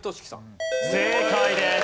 正解です。